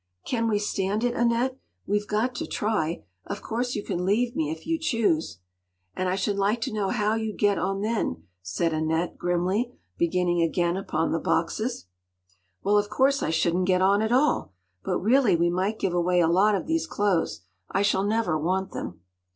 “Can we stand it, Annette? We’ve got to try. Of course you can leave me if you choose.” “And I should like to know how you’d get on then!” said Annette, grimly, beginning again upon the boxes. “Well, of course, I shouldn’t get on at all. But really we might give away a lot of these clothes! I shall never want them.